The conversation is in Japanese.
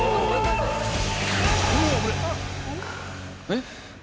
えっ？